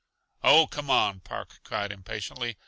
"Oh, come on," Park cried impatiently.